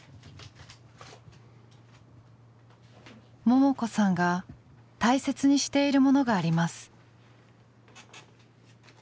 ももこさんが大切にしているものがあります。